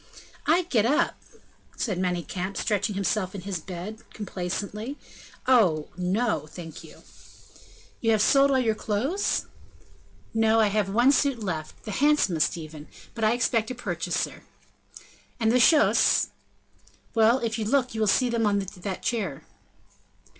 "I get up!" said Manicamp, stretching himself in his bed, complacently, "oh, no, thank you!" "You have sold all your clothes?" "No, I have one suit left, the handsomest even, but I expect a purchaser." "And the chausses?" "Well, if you look, you will see them on that chair."